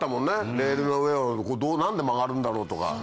レールの上を何で曲がるんだろう？とか。